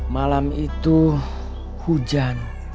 malam itu hujan